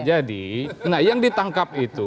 jadi yang ditangkap itu